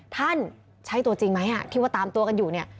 ท่านใช้ตัวจริงไหมที่ว่าตามตัวกันอยู่เนี่ย